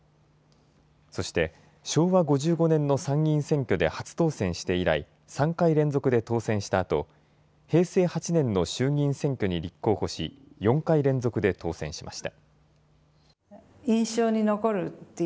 そして昭和５５年の参議院選挙で初当選して以来、３回連続で当選したあと平成８年の衆議院選挙に立候補し、４回連続で当選しました。